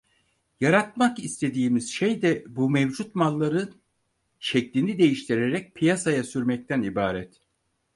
Yaratmak istediğimiz şey de bu mevcut malları şeklini değiştirerek piyasaya sürmekten ibaret.